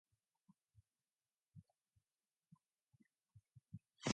However, upon returning with an eager companion, he glances at Eirene and relents.